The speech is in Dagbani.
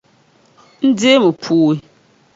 N deemi pooi.